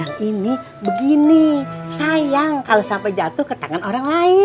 nggak mas kiur ganh ya